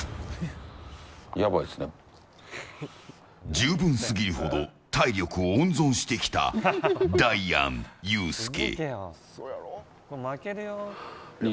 十分すぎるほど体力を温存してきたダイアン、ユースケ。